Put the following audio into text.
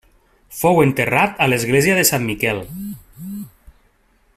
Fou enterrat a l'Església de Sant Miquel.